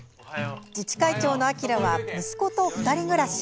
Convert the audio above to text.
自治会長の明は息子と２人暮らし。